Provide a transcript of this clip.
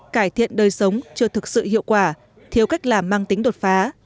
cải thiện đời sống chưa thực sự hiệu quả thiếu cách làm mang tính đột phá